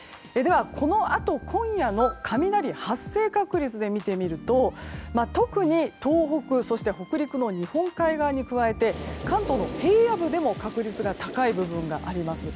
このあと今夜の雷発生確率で見てみると特に東北そして北陸の日本海側に加えて関東の平野部でも確率が高い部分があります。